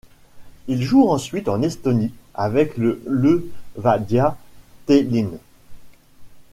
Il joue ensuite en Estonie avec le Levadia Tallinn.